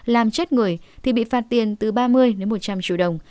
làm chết người thì bị phạt tiền từ ba mươi đến một trăm linh triệu đồng